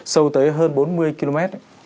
sâu tới hơn bốn mươi km